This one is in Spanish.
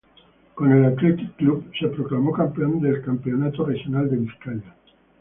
Con el Athletic Club, se proclamó campeón del Campeonato Regional de Vizcaya.